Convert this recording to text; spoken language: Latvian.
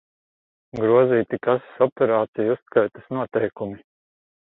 Grozīti kases operāciju uzskaites noteikumi